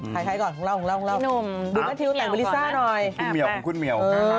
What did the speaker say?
น่ะใช่สิ